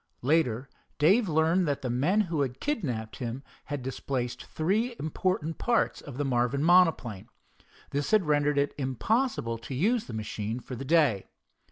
Later Dave learned that the men who had kidnapped him had displaced three important parts of the Marvin monoplane. This had rendered it impossible to use the machine for the day.